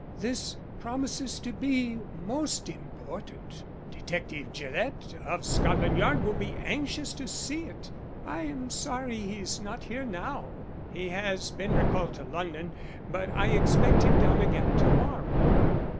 This promises to be most important. Detective Gillett of Scotland Yard will be anxious to see it. I am sorry he's not here now; he has been recalled to London, but I expect him down again to morrow."